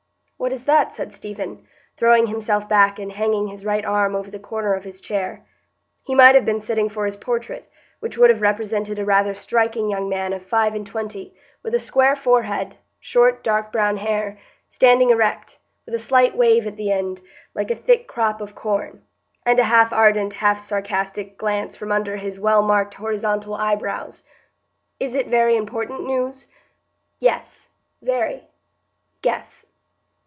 "What is that?" said Stephen, throwing himself back and hanging his right arm over the corner of his chair. He might have been sitting for his portrait, which would have represented a rather striking young man of five and twenty, with a square forehead, short dark brown hair, standing erect, with a slight wave at the end, like a thick crop of corn, and a half ardent, half sarcastic glance from under his well marked horizontal eyebrows. "Is it very important news?" "Yes, very. Guess."